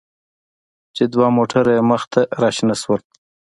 چې دوه موټره يې مخې ته راشنه شول.